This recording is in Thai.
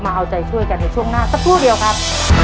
เอาใจช่วยกันในช่วงหน้าสักครู่เดียวครับ